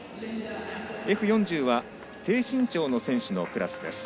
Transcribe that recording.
Ｆ４０は低身長の選手のクラス。